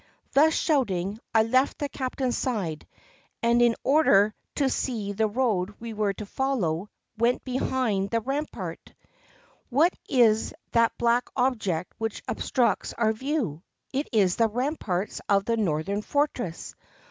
Thus shouting I left the captain's side, and, in order 453 JAPAN to see the road we were to follow, went behind the rampart. What is that black object which obstructs our view? It is the ramparts of the Northern Fortress.